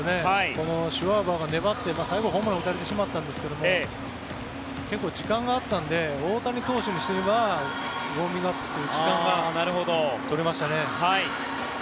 このシュワバーが粘って最後、ホームランを打たれてしまったんですが結構、時間があったので大谷投手にしてみればウォーミングアップする時間が取れましたね。